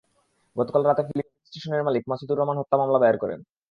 গতকাল রাতে ফিলিং স্টেশনের মালিক মাসুদুর রহমান হত্যা মামলা দায়ের করেন।